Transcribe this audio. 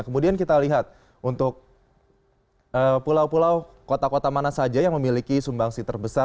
kemudian kita lihat untuk pulau pulau kota kota mana saja yang memiliki sumbangsi terbesar